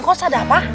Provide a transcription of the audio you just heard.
kos ada pak